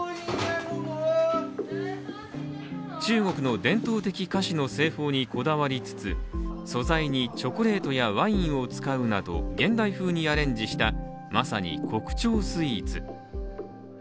中国の伝統的菓子の製法にこだわりつつ、素材にチョコレートやワインを使うなど現代風にアレンジしたまさに、国潮スイーツ。